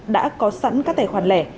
đã có sẵn các tài khoản lẻ